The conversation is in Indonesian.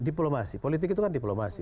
diplomasi politik itu kan diplomasi